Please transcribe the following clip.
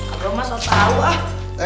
abah mah sok tau ah